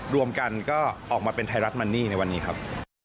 รวมกันก็ออกมาเป็นไทยรัฐมันนี่ในวันนี้ครับ